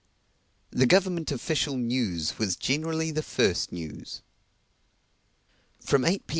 The government official news was generally the first news. From eight, P.